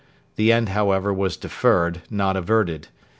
The end, however, was deferred, not averted.